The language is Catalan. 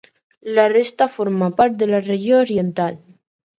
La resta forma part de la Regió Oriental.